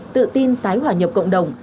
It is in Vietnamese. tự tin tái hòa nhập cộng đồng